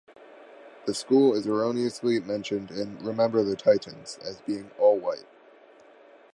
The school is erroneously mentioned in "Remember the Titans" as being "all white.